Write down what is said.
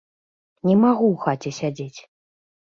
Не магу ў хаце сядзець.